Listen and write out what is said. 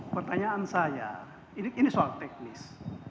pertanyaan saya ini soal teknis